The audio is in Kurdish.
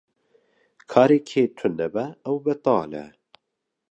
Karê kê tune be ew betal e.